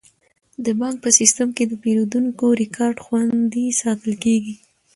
د بانک په سیستم کې د پیرودونکو ریکارډ خوندي ساتل کیږي.